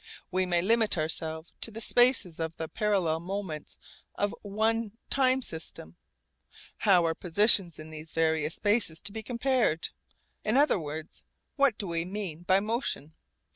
We may limit ourselves to the spaces of the parallel moments of one time system. How are positions in these various spaces to be compared? In other words, What do we mean by motion?